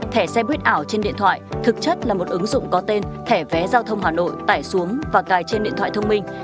thẻ xe buýt ảo trên điện thoại thực chất là một ứng dụng có tên thẻ vé giao thông hà nội tải xuống và cài trên điện thoại thông minh